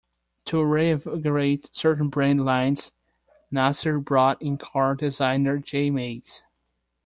To reinvigorate certain brand lines, Nasser brought in car designer J Mays.